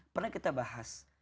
pernah kita bahas